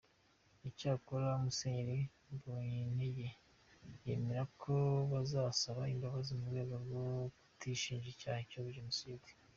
Icyakora Musenyeri Mobonyintege yemera ko bazasaba imbabazi mu rwego rwo kutishinja icyaha cya Jenoside.